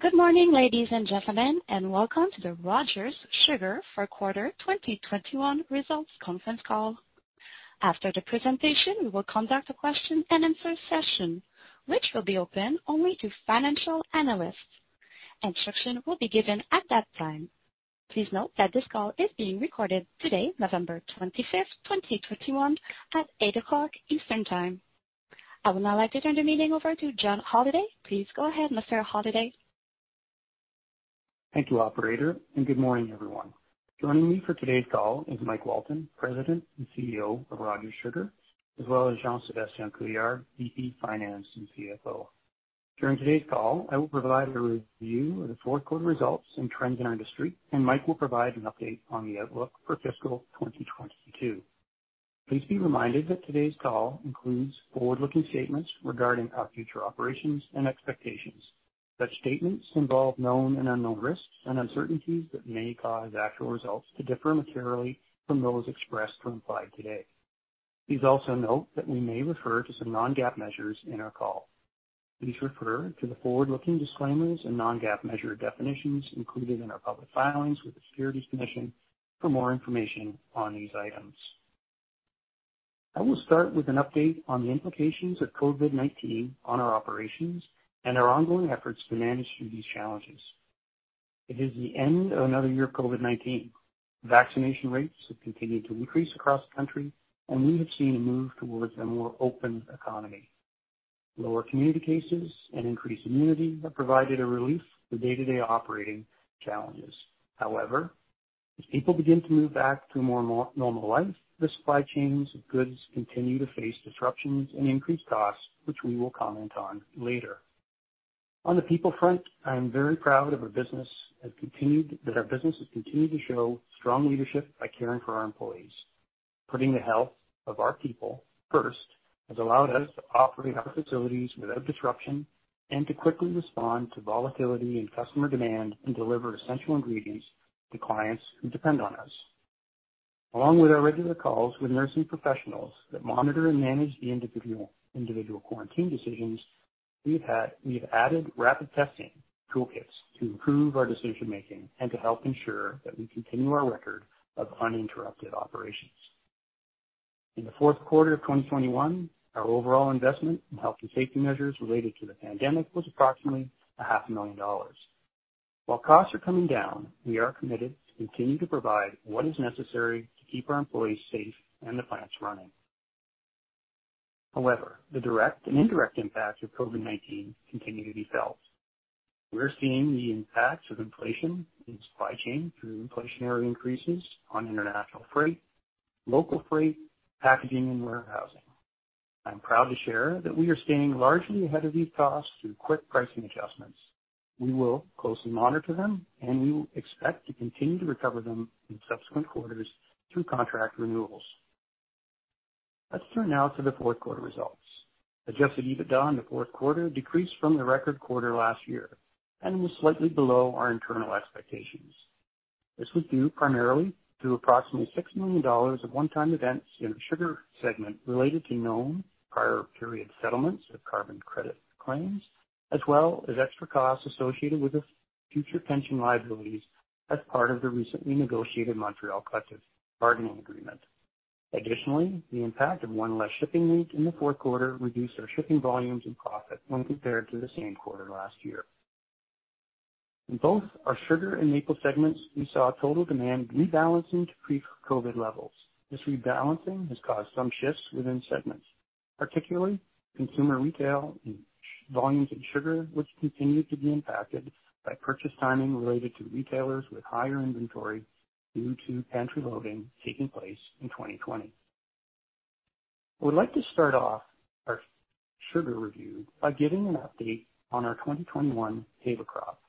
Good morning, ladies and gentlemen, and welcome to the Rogers Sugar fourth quarter 2021 results conference call. After the presentation, we will conduct a question-and-answer session which will be open only to financial analysts. Instruction will be given at that time. Please note that this call is being recorded today, November 25, 2021, at 8:00 A.M. Eastern Time. I would now like to turn the meeting over to John Holliday. Please go ahead, Mr. Holliday. Thank you, operator, and good morning, everyone. Joining me for today's call is Mike Walton, President and CEO of Rogers Sugar, as well as Jean-Sébastien Couillard, VP, Finance and CFO. During today's call, I will provide a review of the fourth quarter results and trends in our industry, and Mike will provide an update on the outlook for fiscal 2022. Please be reminded that today's call includes forward-looking statements regarding our future operations and expectations. Such statements involve known and unknown risks and uncertainties that may cause actual results to differ materially from those expressed or implied today. Please also note that we may refer to some non-GAAP measures in our call. Please refer to the forward-looking disclaimers and non-GAAP measure definitions included in our public filings with the Securities Commission for more information on these items. I will start with an update on the implications of COVID-19 on our operations and our ongoing efforts to manage through these challenges. It is the end of another year of COVID-19. Vaccination rates have continued to increase across the country, and we have seen a move towards a more open economy. Lower community cases and increased immunity have provided a relief to day-to-day operating challenges. However, as people begin to move back to a more nor-normal life, the supply chains of goods continue to face disruptions and increased costs, which we will comment on later. On the people front, I am very proud that our business has continued to show strong leadership by caring for our employees. Putting the health of our people first has allowed us to operate our facilities without disruption and to quickly respond to volatility in customer demand and deliver essential ingredients to clients who depend on us. Along with our regular calls with nursing professionals that monitor and manage the individual quarantine decisions, we have added rapid testing toolkits to improve our decision making and to help ensure that we continue our record of uninterrupted operations. In the fourth quarter of 2021, our overall investment in health and safety measures related to the pandemic was approximately half a million CAD. While costs are coming down, we are committed to continuing to provide what is necessary to keep our employees safe and the plants running. However, the direct and indirect impacts of COVID-19 continue to be felt. We're seeing the impacts of inflation in supply chain through inflationary increases on international freight, local freight, packaging and warehousing. I'm proud to share that we are staying largely ahead of these costs through quick pricing adjustments. We will closely monitor them, and we expect to continue to recover them in subsequent quarters through contract renewals. Let's turn now to the fourth quarter results. Adjusted EBITDA in the fourth quarter decreased from the record quarter last year and was slightly below our internal expectations. This was due primarily to approximately 6 million dollars of one-time events in the sugar segment related to known prior period settlements of carbon credit claims, as well as extra costs associated with the future pension liabilities as part of the recently negotiated Montréal Collective Bargaining Agreement. Additionally, the impact of one less shipping week in the fourth quarter reduced our shipping volumes and profits when compared to the same quarter last year. In both our sugar and maple segments, we saw total demand rebalancing to pre-COVID levels. This rebalancing has caused some shifts within segments, particularly consumer retail and volumes in sugar, which continued to be impacted by purchase timing related to retailers with higher inventory due to pantry loading taking place in 2020. We'd like to start off our sugar review by giving an update on our 2021 table crop.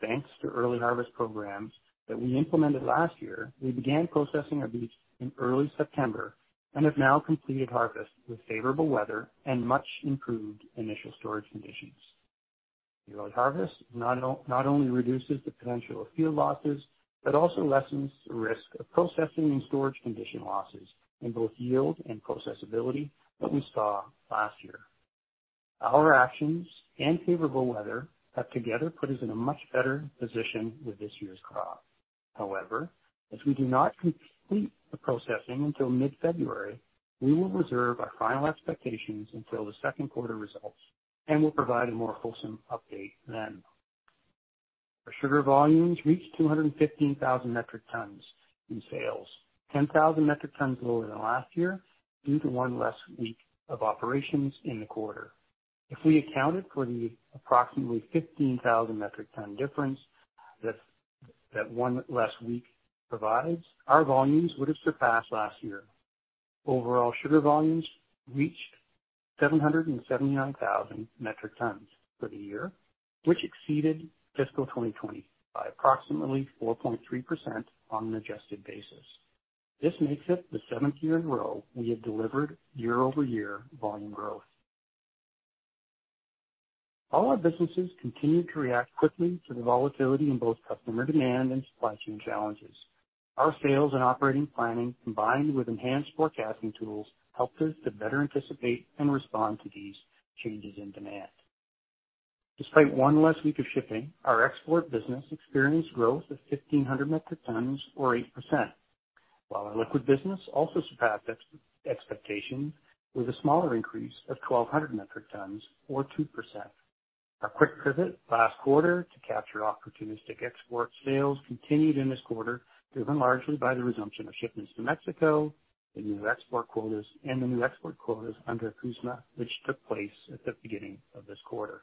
Thanks to early harvest programs that we implemented last year, we began processing our beets in early September and have now completed harvest with favorable weather and much improved initial storage conditions. The early harvest not only reduces the potential of field losses, but also lessens the risk of processing and storage condition losses in both yield and processability that we saw last year. Our actions and favorable weather have together put us in a much better position with this year's crop. However, as we do not complete the processing until mid-February, we will reserve our final expectations until the second quarter results and will provide a more whole update then. Our sugar volumes reached 215,000 metric tons in sales, 10,000 metric tons lower than last year due to one less week of operations in the quarter. If we accounted for the approximately 15,000 metric ton difference that one less week provides, our volumes would have surpassed last year. Overall sugar volumes reached 779,000 metric tons for the year, which exceeded fiscal 2020 by approximately 4.3% on an adjusted basis. This makes it the seventh year in a row we have delivered year-over-year volume growth. All our businesses continued to react quickly to the volatility in both customer demand and supply chain challenges. Our sales and operating planning, combined with enhanced forecasting tools, helped us to better anticipate and respond to these changes in demand. Despite one less week of shipping, our export business experienced growth of 1,500 metric tons or 8%, while our liquid business also surpassed expectation with a smaller increase of 1,200 metric tons or 2%. Our quick pivot last quarter to capture opportunistic export sales continued in this quarter, driven largely by the resumption of shipments to Mexico and new export quotas under CUSMA, which took place at the beginning of this quarter.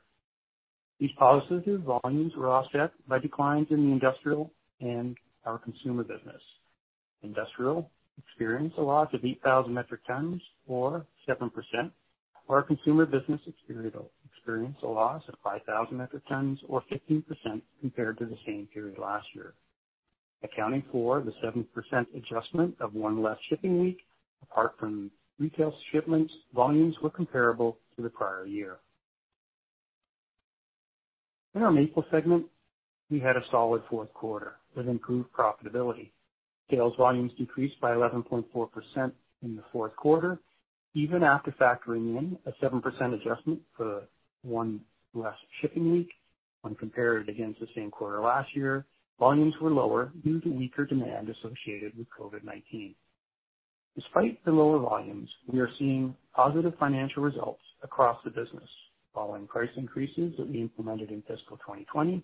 These positive volumes were offset by declines in the industrial and our consumer business. Industrial experienced a loss of 8,000 metric tons or 7%. Our consumer business experienced a loss of 5,000 metric tons or 15% compared to the same period last year. Accounting for the 7% adjustment of one less shipping week, apart from retail shipments, volumes were comparable to the prior year. In our Maple segment, we had a solid fourth quarter with improved profitability. Sales volumes decreased by 11.4% in the fourth quarter. Even after factoring in a 7% adjustment for one less shipping week when compared against the same quarter last year, volumes were lower due to weaker demand associated with COVID-19. Despite the lower volumes, we are seeing positive financial results across the business following price increases that we implemented in fiscal 2020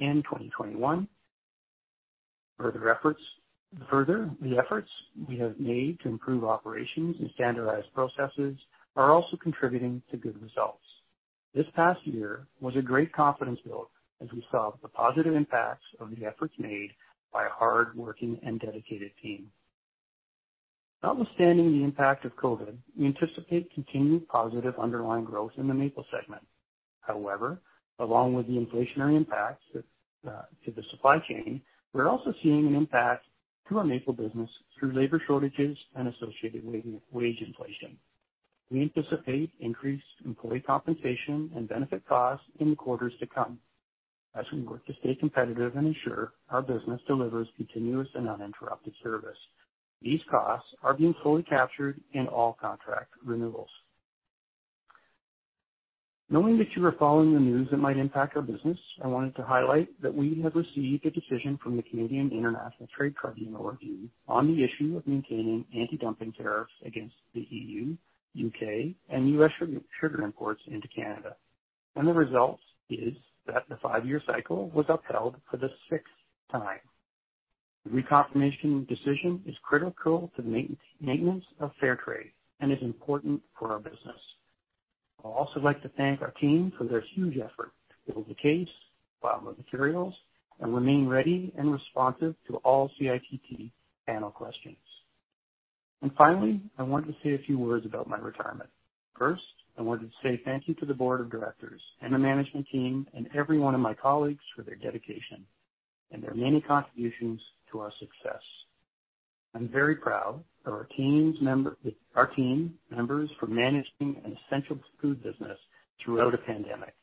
and 2021. Further, the efforts we have made to improve operations and standardize processes are also contributing to good results. This past year was a great confidence build as we saw the positive impacts of the efforts made by a hardworking and dedicated team. Notwithstanding the impact of COVID, we anticipate continued positive underlying growth in the Maple segment. However, along with the inflationary impacts to the supply chain, we're also seeing an impact to our Maple business through labor shortages and associated wage inflation. We anticipate increased employee compensation and benefit costs in the quarters to come as we work to stay competitive and ensure our business delivers continuous and uninterrupted service. These costs are being fully captured in all contract renewals. Knowing that you are following the news that might impact our business, I wanted to highlight that we have received a decision from the Canadian International Trade Tribunal review on the issue of maintaining anti-dumping tariffs against the EU, U.K., and U.S. sugar imports into Canada, and the result is that the five-year cycle was upheld for the sixth time. The reconfirmation decision is critical to the maintenance of fair trade and is important for our business. I'd also like to thank our team for their huge effort to build the case, file the materials, and remain ready and responsive to all CITT panel questions. Finally, I want to say a few words about my retirement. First, I wanted to say thank you to the board of directors and the management team and everyone of my colleagues for their dedication and their many contributions to our success. I'm very proud of our team members for managing an essential food business throughout a pandemic,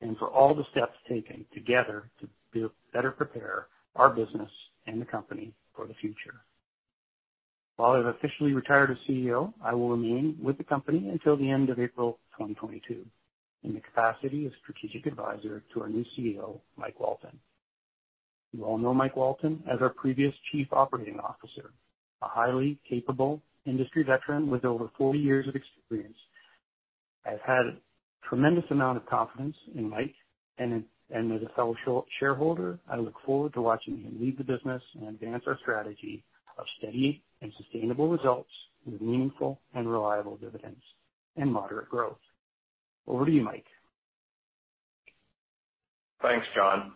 and for all the steps taken together to better prepare our business and the company for the future. While I've officially retired as CEO, I will remain with the company until the end of April 2022 in the capacity as strategic advisor to our new CEO, Mike Walton. You all know Mike Walton as our previous chief operating officer, a highly capable industry veteran with over 40 years of experience. I've had tremendous amount of confidence in Mike, and as a fellow shareholder, I look forward to watching him lead the business and advance our strategy of steady and sustainable results with meaningful and reliable dividends and moderate growth. Over to you, Mike. Thanks, John.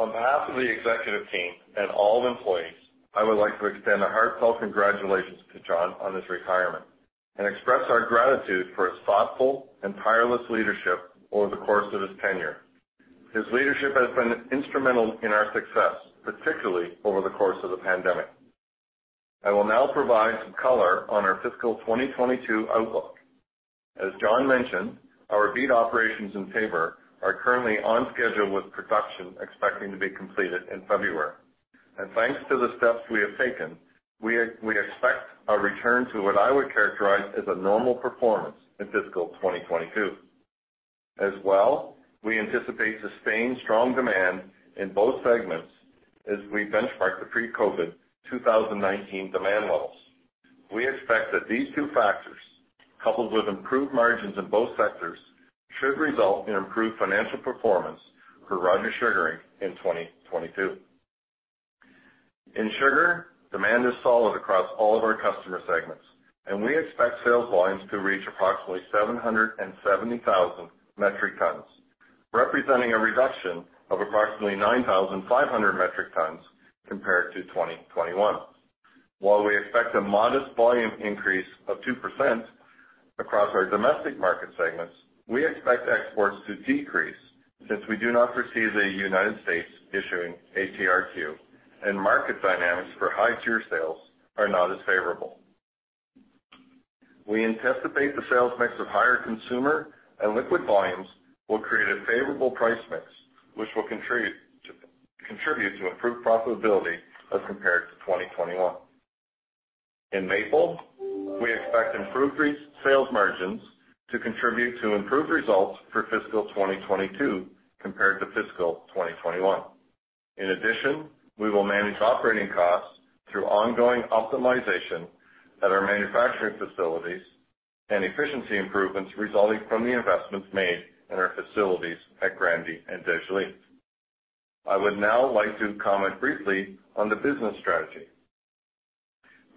On behalf of the executive team and all employees, I would like to extend a heartfelt congratulations to John on his retirement and express our gratitude for his thoughtful and tireless leadership over the course of his tenure. His leadership has been instrumental in our success, particularly over the course of the pandemic. I will now provide some color on our fiscal 2022 outlook. As John mentioned, our beet operations in Taber are currently on schedule, with production expecting to be completed in February. Thanks to the steps we have taken, we expect a return to what I would characterize as a normal performance in fiscal 2022. As well, we anticipate sustained strong demand in both segments as we benchmark the pre-COVID 2019 demand levels. We expect that these two factors, coupled with improved margins in both sectors, should result in improved financial performance for Rogers Sugar in 2022. In sugar, demand is solid across all of our customer segments, and we expect sales volumes to reach approximately 770,000 metric tons, representing a reduction of approximately 9,500 metric tons compared to 2021. While we expect a modest volume increase of 2% across our domestic market segments, we expect exports to decrease since we do not foresee the United States issuing TRQ 2 and market dynamics for high tier sales are not as favorable. We anticipate the sales mix of higher consumer and liquid volumes will create a favorable price mix, which will contribute to improved profitability as compared to 2021. In Maple, we expect improved sales margins to contribute to improved results for fiscal 2022 compared to fiscal 2021. In addition, we will manage operating costs through ongoing optimization at our manufacturing facilities and efficiency improvements resulting from the investments made in our facilities at Grand-Mère and Dégelis. I would now like to comment briefly on the business strategy.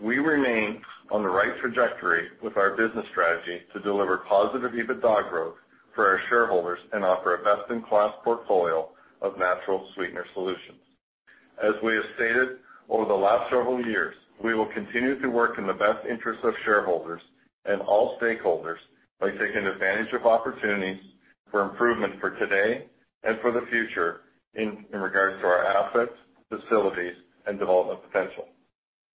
We remain on the right trajectory with our business strategy to deliver positive EBITDA growth for our shareholders and offer a best-in-class portfolio of natural sweetener solutions. As we have stated over the last several years, we will continue to work in the best interest of shareholders and all stakeholders by taking advantage of opportunities for improvement for today and for the future in regards to our assets, facilities, and development potential.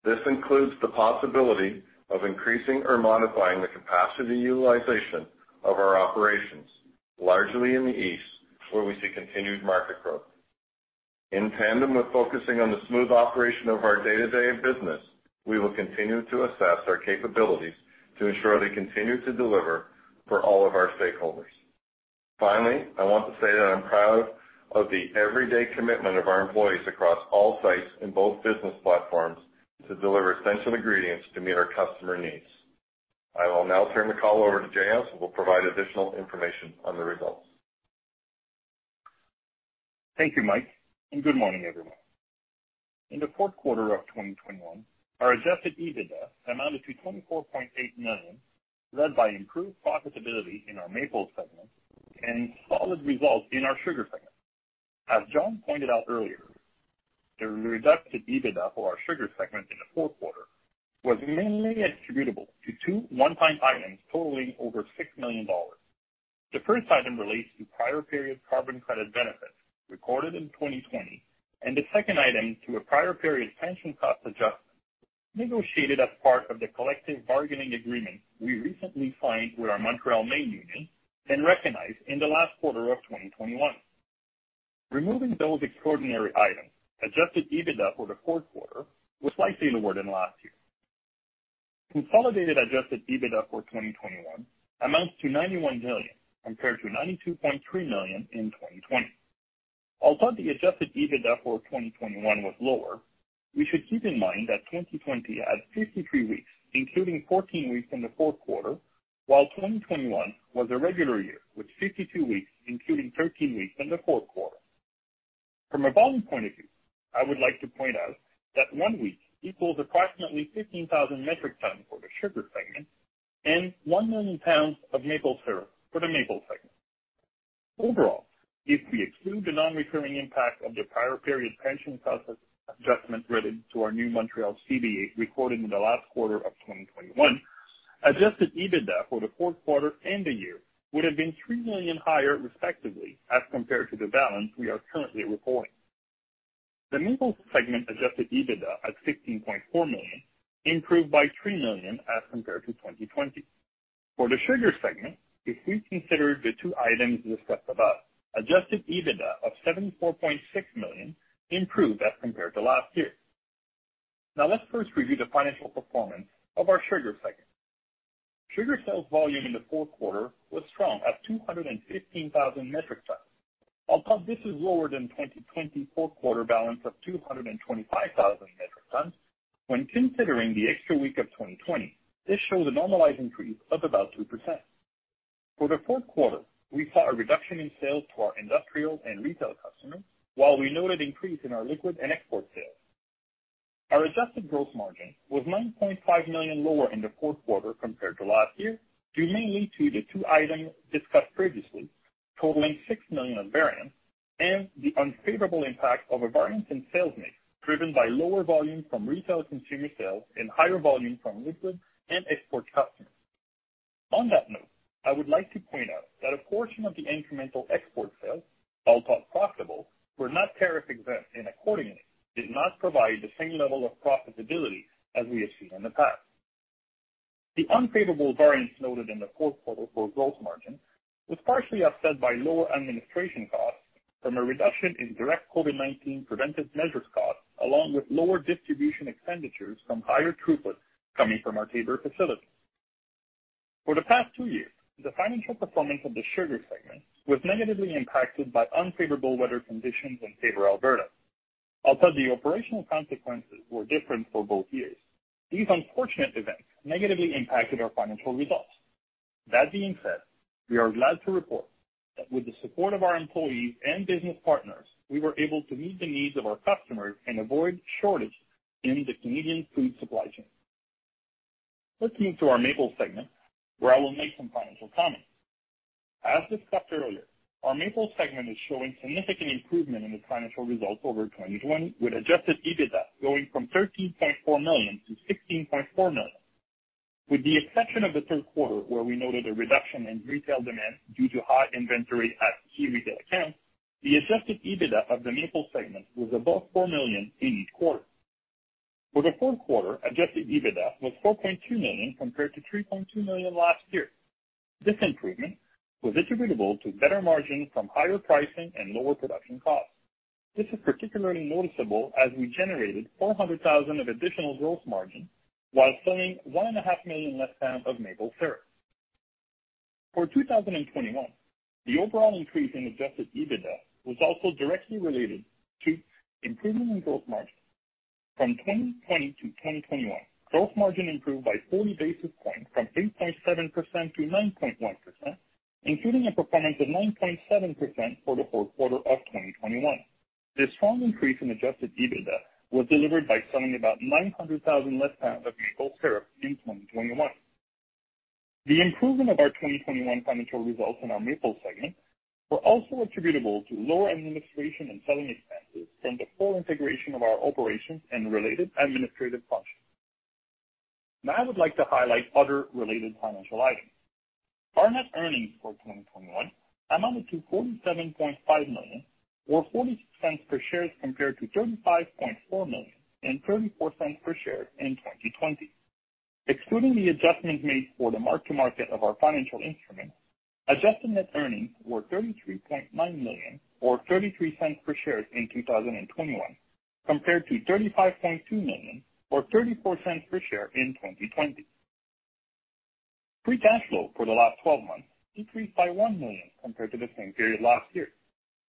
This includes the possibility of increasing or modifying the capacity utilization of our operations, largely in the East, where we see continued market growth. In tandem with focusing on the smooth operation of our day-to-day business, we will continue to assess our capabilities to ensure they continue to deliver for all of our stakeholders. Finally, I want to say that I'm proud of the everyday commitment of our employees across all sites in both business platforms to deliver essential ingredients to meet our customer needs. I will now turn the call over to Jean, who will provide additional information on the results. Thank you, Mike, and good morning, everyone. In the fourth quarter of 2021, our adjusted EBITDA amounted to 24.8 million, led by improved profitability in our Maples segment and solid results in our Sugar segment. As John pointed out earlier, the reduction in EBITDA for our Sugar segment in the fourth quarter was mainly attributable to two one-time items totaling over 6 million dollars. The first item relates to prior period carbon credit benefits recorded in 2020, and the second item to a prior period pension cost adjustment negotiated as part of the collective bargaining agreement we recently signed with our Montreal main union and recognized in the last quarter of 2021. Removing those extraordinary items, adjusted EBITDA for the fourth quarter was slightly lower than last year. Consolidated adjusted EBITDA for 2021 amounts to 91 million compared to 92.3 million in 2020. Although the adjusted EBITDA for 2021 was lower, we should keep in mind that 2020 had 53 weeks, including 14 weeks in the fourth quarter, while 2021 was a regular year with 52 weeks, including 13 weeks in the fourth quarter. From a volume point of view, I would like to point out that one week equals approximately 15,000 metric tons for the Sugar segment and one million pounds of maple syrup for the Maple segment. Overall, if we exclude the non-recurring impact of the prior period pension cost adjustment related to our new Montreal CBA recorded in the last quarter of 2021, adjusted EBITDA for the fourth quarter and the year would have been 3 million higher respectively as compared to the balance we are currently reporting. The Maple Segment adjusted EBITDA at 16.4 million improved by 3 million as compared to 2020. For the Sugar Segment, if we consider the two items discussed above, adjusted EBITDA of 74.6 million improved as compared to last year. Now let's first review the financial performance of our Sugar Segment. Sugar sales volume in the fourth quarter was strong at 215,000 metric tons. Although this is lower than 2020 fourth quarter balance of 225,000 metric tons, when considering the extra week of 2020, this shows a normalized increase of about 2%. For the fourth quarter, we saw a reduction in sales to our industrial and retail customers, while we noted increase in our liquid and export sales. Our adjusted gross margin was 9.5 million lower in the fourth quarter compared to last year, due mainly to the two items discussed previously, totaling 6 million of variance and the unfavorable impact of a variance in sales mix driven by lower volume from retail consumer sales and higher volume from liquid and export customers. On that note, I would like to point out that a portion of the incremental export sales, although profitable, were not tariff exempt and accordingly did not provide the same level of profitability as we have seen in the past. The unfavorable variance noted in the fourth quarter for gross margin was partially offset by lower administration costs from a reduction in direct COVID-19 preventive measures costs, along with lower distribution expenditures from higher throughput coming from our Taber facility. For the past two years, the financial performance of the Sugar segment was negatively impacted by unfavorable weather conditions in Taber, Alberta. Although the operational consequences were different for both years, these unfortunate events negatively impacted our financial results. That being said, we are glad to report that with the support of our employees and business partners, we were able to meet the needs of our customers and avoid shortage in the Canadian food supply chain. Let's move to our Maple segment, where I will make some financial comments. As discussed earlier, our Maple segment is showing significant improvement in the financial results over 2021, with adjusted EBITDA going from 13.4 million to 16.4 million. With the exception of the third quarter, where we noted a reduction in retail demand due to high inventory at key retail accounts. The adjusted EBITDA of the Maple segment was above 4 million in each quarter. For the fourth quarter, adjusted EBITDA was 4.2 million compared to 3.2 million last year. This improvement was attributable to better margin from higher pricing and lower production costs. This is particularly noticeable as we generated 400,000 of additional gross margin while selling 1.5 million less pounds of maple syrup. For 2021, the overall increase in adjusted EBITDA was also directly related to improvement in gross margin. From 2020 to 2021, gross margin improved by 40 basis points from 8.7% to 9.1%, including a performance of 9.7% for the fourth quarter of 2021. This strong increase in adjusted EBITDA was delivered by selling about 900,000 less pounds of maple syrup in 2021. The improvement of our 2021 financial results in our Maple segment were also attributable to lower administration and selling expenses from the full integration of our operations and related administrative functions. Now I would like to highlight other related financial items. Our net earnings for 2021 amounted to 47.5 million or 0.46 per share as compared to 35.4 million and 0.34 per share in 2020. Excluding the adjustment made for the mark-to-market of our financial instruments, adjusted net earnings were CAD 33.9 million or 0.33 per share in 2021, compared to CAD 35.2 million or 0.34 per share in 2020. Free cash flow for the last 12 months decreased by 1 million compared to the same period last year.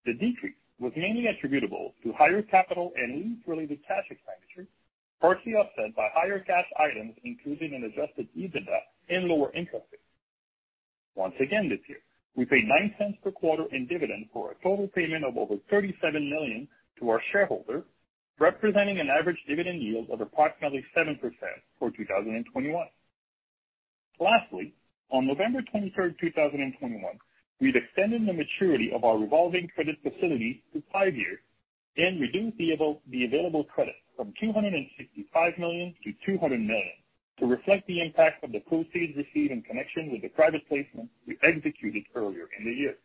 The decrease was mainly attributable to higher capital and lease related cash expenditures, partially offset by higher cash items, including an adjusted EBITDA and lower interest rates. Once again this year, we paid 0.09 per quarter in dividends for a total payment of over 37 million to our shareholders, representing an average dividend yield of approximately 7% for 2021. Lastly, on November 23, 2021, we've extended the maturity of our revolving credit facility to five years and reduced the available credit from 265 million to 200 million to reflect the impact of the proceeds received in connection with the private placement we executed earlier in the year.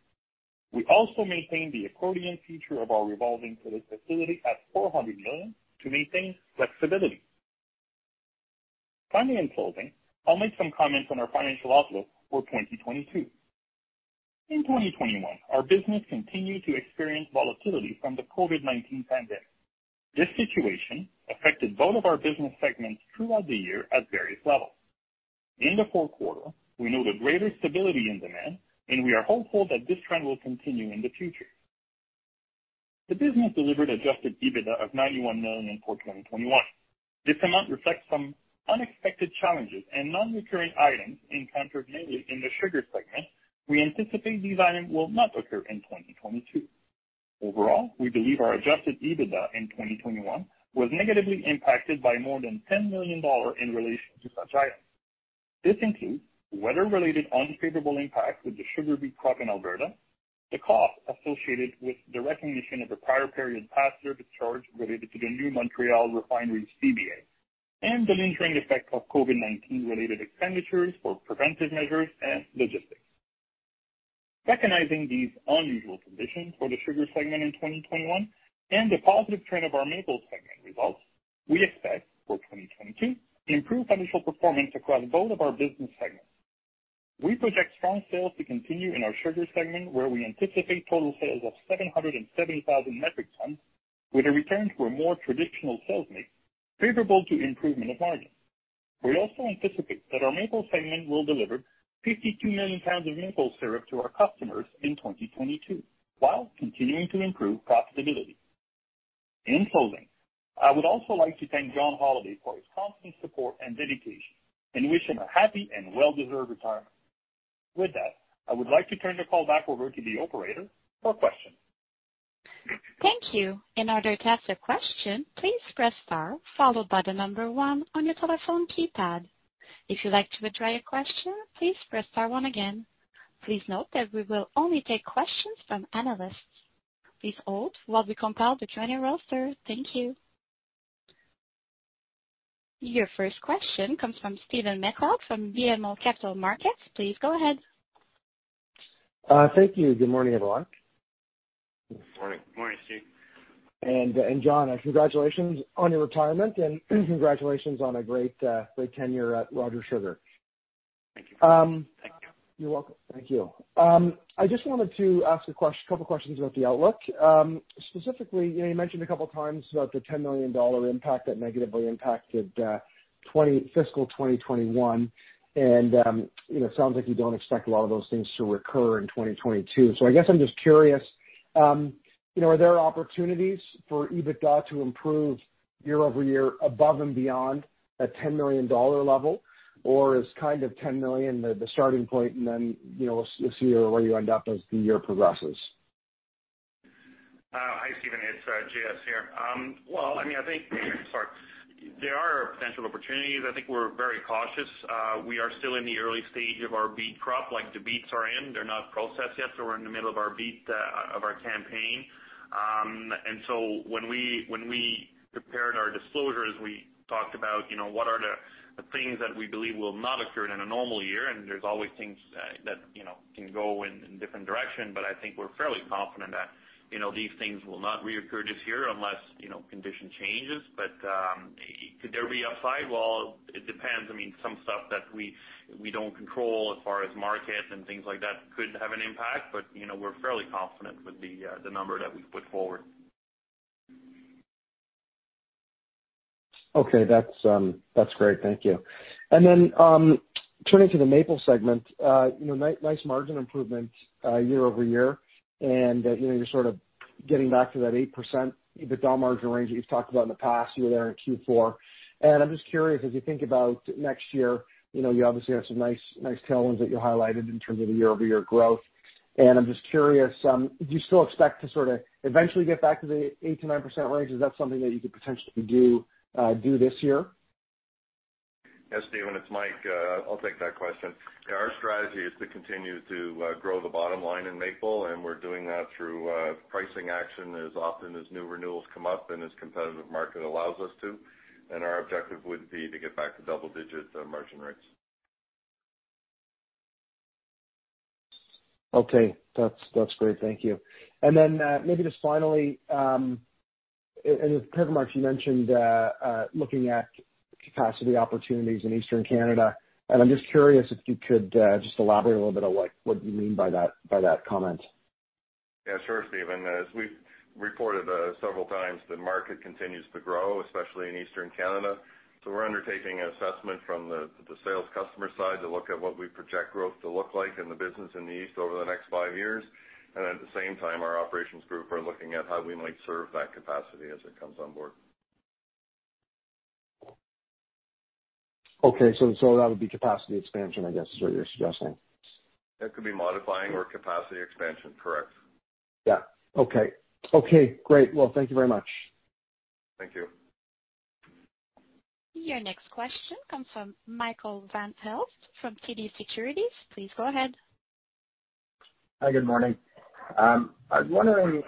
We also maintained the accordion feature of our revolving credit facility at 400 million to maintain flexibility. Finally, in closing, I'll make some comments on our financial outlook for 2022. In 2021, our business continued to experience volatility from the COVID-19 pandemic. This situation affected both of our business segments throughout the year at various levels. In the fourth quarter, we noted greater stability in demand, and we are hopeful that this trend will continue in the future. The business delivered adjusted EBITDA of 91 million for 2021. This amount reflects some unexpected challenges and non-recurring items encountered mainly in the sugar segment. We anticipate these items will not occur in 2022. Overall, we believe our adjusted EBITDA in 2021 was negatively impacted by more than 10 million dollars in relation to such items. This includes weather-related unfavorable impacts with the sugar beet crop in Alberta, the cost associated with the recognition of the prior period past service charge related to the new Montreal refinery CBA, and the lingering effect of COVID-19 related expenditures for preventive measures and logistics. Recognizing these unusual conditions for the Sugar segment in 2021 and the positive trend of our Maple segment results, we expect for 2022 improved financial performance across both of our business segments. We project strong sales to continue in our Sugar segment, where we anticipate total sales of 770,000 metric tons with a return to a more traditional sales mix favorable to improvement of margins. We also anticipate that our Maple segment will deliver 52 million pounds of maple syrup to our customers in 2022 while continuing to improve profitability. In closing, I would also like to thank John Holliday for his constant support and dedication and wish him a happy and well-deserved retirement. With that, I would like to turn the call back over to the operator for questions. Your first question comes from Stephen MacLeod from BMO Capital Markets. Please go ahead. Thank you. Good morning, everyone. Morning. Morning, Stephen. John, congratulations on your retirement and congratulations on a great tenure at Rogers Sugar. Thank you. Um- Thank you. You're welcome. Thank you. I just wanted to ask a couple questions about the outlook. Specifically, you know, you mentioned a couple of times about the 10 million dollar impact that negatively impacted fiscal 2021. You know, it sounds like you don't expect a lot of those things to recur in 2022. I guess I'm just curious, you know, are there opportunities for EBITDA to improve year-over-year above and beyond that 10 million dollar level? Or is kind of 10 million the starting point and then, you know, we'll see where you end up as the year progresses? Hi, Stephen. It's J.S. here. Well, I mean, I think. Sorry. There are potential opportunities. I think we're very cautious. We are still in the early stage of our beet crop. Like, the beets are in, they're not processed yet, so we're in the middle of our beet campaign. When we prepared our disclosures, we talked about, you know, what are the things that we believe will not occur in a normal year, and there's always things that, you know, can go in different direction. I think we're fairly confident that, you know, these things will not reoccur this year unless, you know, condition changes. Could there be upside? Well, it depends. I mean, some stuff that we don't control as far as market and things like that could have an impact, but, you know, we're fairly confident with the number that we put forward. Okay. That's great. Thank you. Then, turning to the Maple segment, you know, nice margin improvement year-over-year. You know, you're sort of getting back to that 8% EBITDA margin range that you've talked about in the past. You were there in Q4. I'm just curious, as you think about next year, you know, you obviously have some nice tailwinds that you highlighted in terms of the year-over-year growth. I'm just curious, do you still expect to sort of eventually get back to the 8%-9% range? Is that something that you could potentially do this year? Yeah, Stephen, it's Mike. I'll take that question. Our strategy is to continue to grow the bottom line in Maple, and we're doing that through pricing action as often as new renewals come up and as competitive market allows us to. Our objective would be to get back to double digits on margin rates. Okay. That's great. Thank you. Maybe just finally, and Mike, you mentioned looking at capacity opportunities in Eastern Canada, and I'm just curious if you could just elaborate a little bit on, like, what you mean by that comment. Yeah, sure, Stephen. As we've reported, several times, the market continues to grow, especially in Eastern Canada. We're undertaking an assessment from the sales customer side to look at what we project growth to look like in the business in the east over the next five years. At the same time, our operations group are looking at how we might serve that capacity as it comes on board. Okay. That would be capacity expansion, I guess, is what you're suggesting. That could be modifying or capacity expansion, correct? Yeah. Okay. Okay, great. Well, thank you very much. Thank you. Your next question comes from Michael Van Aelst from TD Securities. Please go ahead. Hi, good morning. I was wondering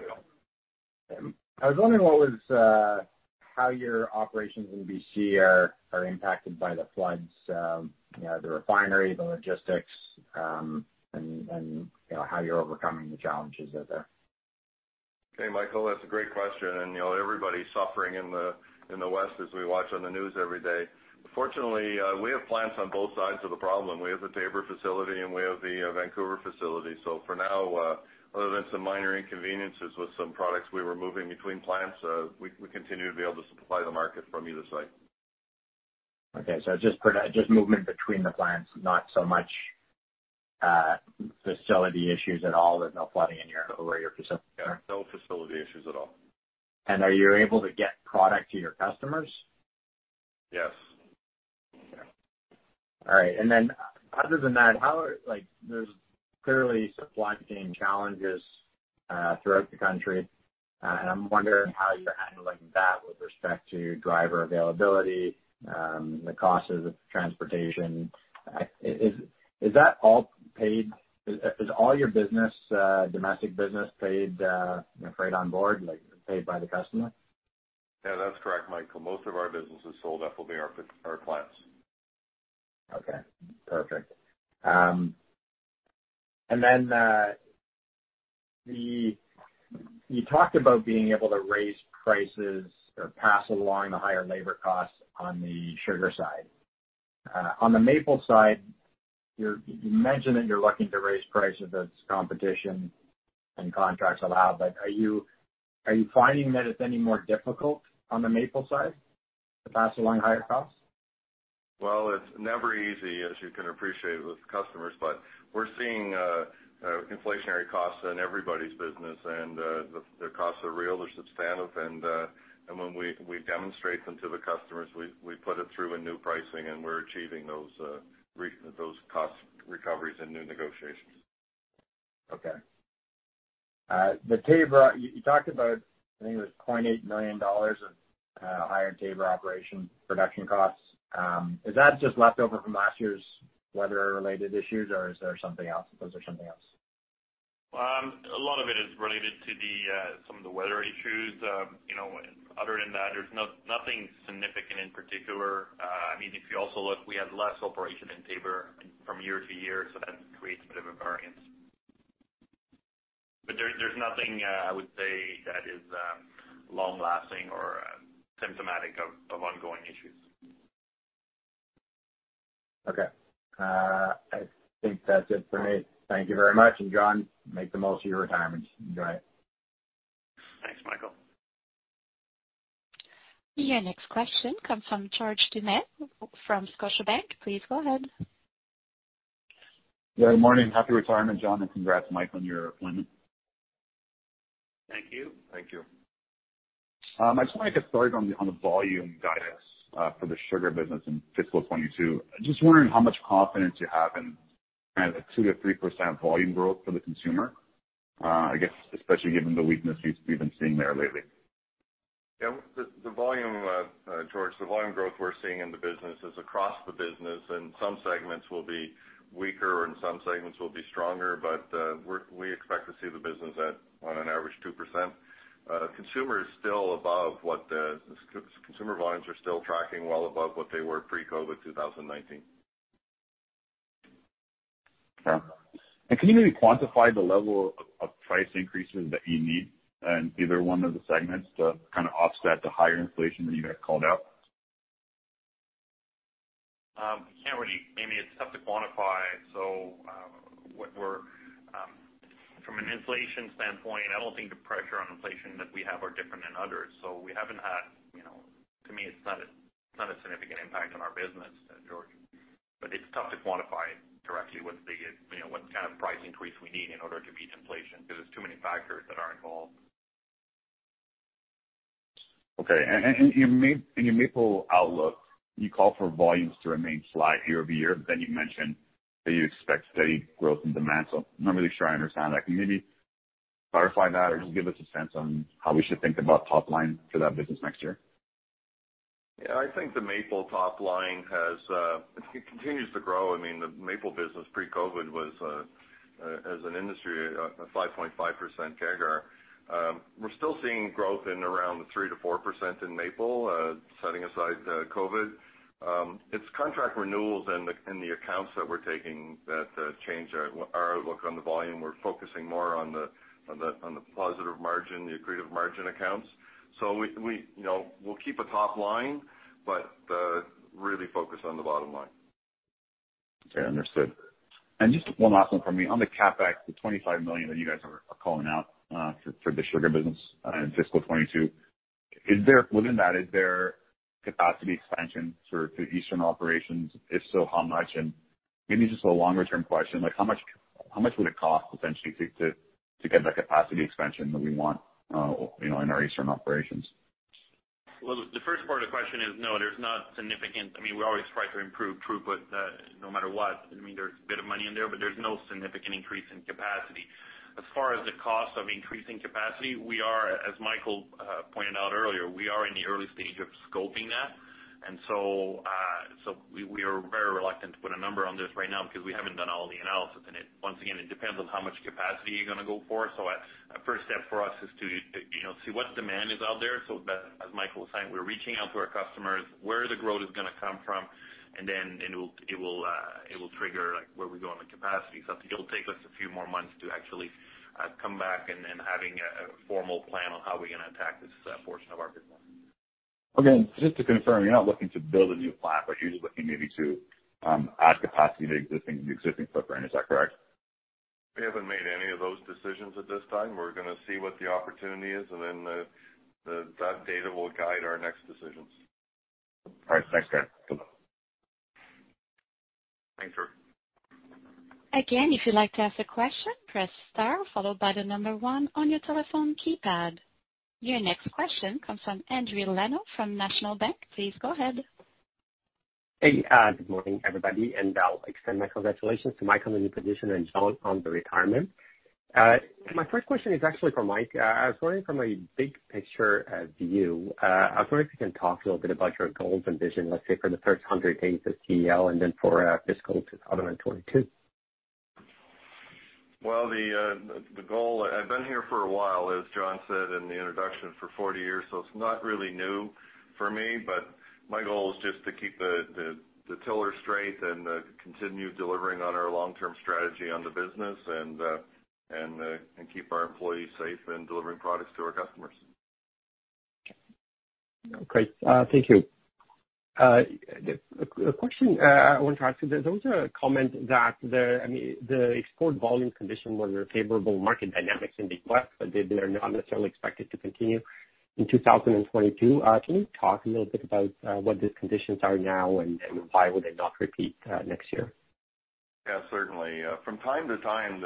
how your operations in B.C. are impacted by the floods, you know, the refinery, the logistics, and you know, how you're overcoming the challenges there. Okay, Michael, that's a great question. You know, everybody's suffering in the west as we watch on the news every day. Fortunately, we have plants on both sides of the problem. We have the Taber facility, and we have the Vancouver facility. For now, other than some minor inconveniences with some products we were moving between plants, we continue to be able to supply the market from either site. Okay. Just movement between the plants, not so much facility issues at all. There's no flooding over at your facility. No facility issues at all. Are you able to get product to your customers? Yes. All right. Other than that, like, there's clearly supply chain challenges throughout the country, and I'm wondering how you're handling that with respect to driver availability, the cost of the transportation. Is that all paid? Is all your domestic business paid, you know, freight on board, like, paid by the customer? Yeah, that's correct, Michael. Most of our business is sold FOB our plants. Okay. Perfect. You talked about being able to raise prices or pass along the higher labor costs on the sugar side. On the Maple side, you mentioned that you're looking to raise prices as competition and contracts allow, but are you finding that it's any more difficult on the Maple side to pass along higher costs? Well, it's never easy, as you can appreciate, with customers, but we're seeing inflationary costs in everybody's business. The costs are real, they're substantive, and when we demonstrate them to the customers, we put it through in new pricing and we're achieving those cost recoveries in new negotiations. Okay. The Taber, you talked about, I think it was CAD 0.8 million of higher Taber operational production costs. Is that just left over from last year's weather-related issues, or is there something else? Those are something else? A lot of it is related to some of the weather issues. You know, other than that, there's nothing significant in particular. I mean, if you also look, we had less operation in Taber from year to year, so that creates a bit of a variance. There's nothing I would say that is long-lasting or symptomatic of ongoing issues. Okay. I think that's it for me. Thank you very much. John, make the most of your retirement. Enjoy it. Thanks, Michael. Your next question comes from George Doumet from Scotiabank. Please go ahead. Yeah. Good morning. Happy retirement, John, and congrats, Mike, on your appointment. Thank you. Thank you. I just wanna get started on the volume guidance for the sugar business in fiscal 2022. Just wondering how much confidence you have in kind of the 2%-3% volume growth for the consumer, I guess especially given the weakness we've been seeing there lately. Yeah, the volume growth we're seeing in the business is across the business, and some segments will be weaker and some segments will be stronger, but we expect to see the business at an average 2%. Consumer volumes are still tracking well above what they were pre-COVID 2019. Fair enough. Can you maybe quantify the level of price increases that you need in either one of the segments to kind of offset the higher inflation that you guys called out? I can't really. Maybe it's tough to quantify. From an inflation standpoint, I don't think the pressure on inflation that we have are different than others, so we haven't had, you know, to me, it's not a significant impact on our business, George. It's tough to quantify directly what the, you know, what kind of price increase we need in order to beat inflation because there's too many factors that are involved. In your maple outlook, you call for volumes to remain flat year-over-year, but then you mentioned that you expect steady growth in demand. I'm not really sure I understand that. Can you maybe clarify that or just give us a sense on how we should think about top line for that business next year? Yeah, I think the maple top line continues to grow. I mean, the maple business pre-COVID was, as an industry, 5.5% CAGR. We're still seeing growth in around 3%-4% in maple, setting aside COVID. It's contract renewals and the accounts that we're taking that change our outlook on the volume. We're focusing more on the positive margin, the accretive margin accounts. We you know will keep a top line, but really focus on the bottom line. Okay, understood. Just one last one for me. On the CapEx, the 25 million that you guys are calling out for the sugar business in fiscal 2022, is there capacity expansion for the Eastern operations? If so, how much? Maybe just a longer term question, like how much would it cost potentially to get the capacity expansion that we want, you know, in our Eastern operations? Well, the first part of the question is no, there's not significant. I mean, we always try to improve throughput, no matter what. I mean, there's a bit of money in there, but there's no significant increase in capacity. As far as the cost of increasing capacity, we are, as Michael pointed out earlier, in the early stage of scoping that. We are very reluctant to put a number on this right now because we haven't done all the analysis. It, once again, depends on how much capacity you're gonna go for. A first step for us is to, you know, see what demand is out there. As Michael was saying, we're reaching out to our customers, where the growth is gonna come from, and then it will trigger, like, where we go on the capacity. It will take us a few more months to actually come back and having a formal plan on how we're gonna attack this portion of our business. Again, just to confirm, you're not looking to build a new plant, but you're just looking maybe to add capacity to the existing footprint. Is that correct? We haven't made any of those decisions at this time. We're gonna see what the opportunity is, and then that data will guide our next decisions. All right. Thanks, guys. Goodbye. Thanks, George. Again, if you'd like to ask a question, press star followed by the number one on your telephone keypad. Your next question comes from Andrew Lemieux from National Bank. Please go ahead. Hey, good morning, everybody. I'll extend my congratulations to Mike on the new position and John on the retirement. My first question is actually for Mike. I was wondering from a big picture view if you can talk a little bit about your goals and vision, let's say for the first 100 days as CEO and then for fiscal 2022. Well, the goal. I've been here for a while, as John said in the introduction, for 40 years, so it's not really new for me. My goal is just to keep the tiller straight and keep our employees safe and delivering products to our customers. Great. Thank you. The question I wanted to ask you, there was a comment that the, I mean, the export volume condition was favorable market dynamics in the west, but they are not necessarily expected to continue in 2022. Can you talk a little bit about what the conditions are now and why would they not repeat next year? Yeah, certainly. From time to time,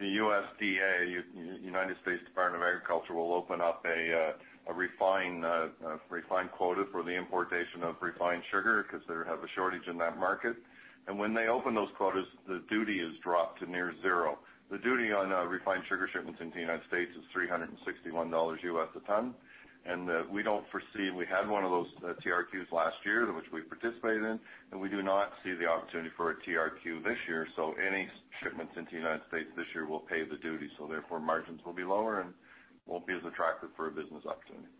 the USDA, United States Department of Agriculture, will open up a refined quota for the importation of refined sugar because they have a shortage in that market. When they open those quotas, the duty is dropped to near zero. The duty on refined sugar shipments into the United States is $361 a ton. We don't foresee. We had one of those TRQs last year, which we participated in, and we do not see the opportunity for a TRQ this year. Any shipments into the United States this year will pay the duty, so therefore margins will be lower and won't be as attractive for a business opportunity.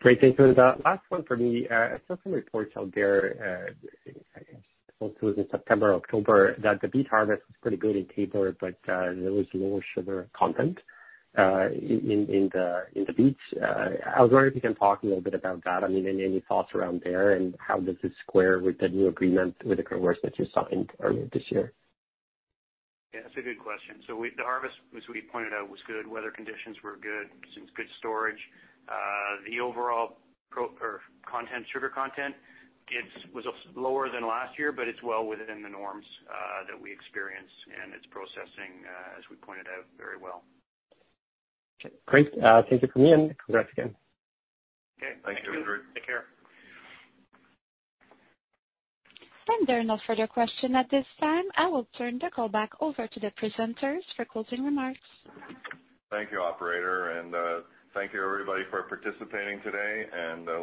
Great. Thank you. Last one for me. I saw some reports out there, I guess it was in September or October, that the beet harvest was pretty good in Taber, but there was lower sugar content in the beets. I was wondering if you can talk a little bit about that. I mean, any thoughts around there, and how does this square with the new agreement with the growers that you signed earlier this year? Yeah, that's a good question. The harvest, as we pointed out, was good. Weather conditions were good. Seems good storage. The overall content, sugar content, it was lower than last year, but it's well within the norms that we experience, and it's processing, as we pointed out, very well. Okay, great. Thank you from me, and congrats again. Okay. Thanks, Andrew. Take care. There are no further question at this time. I will turn the call back over to the presenters for closing remarks. Thank you, operator. Thank you, everybody, for participating today.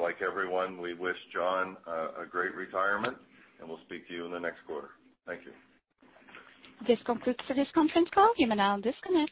Like everyone, we wish John a great retirement, and we'll speak to you in the next quarter. Thank you. This concludes this conference call. You may now disconnect.